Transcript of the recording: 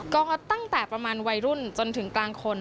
ก็ตั้งแต่ประมาณวัยรุ่นจนถึงกลางคน